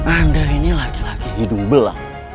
anda ini laki laki hidung belang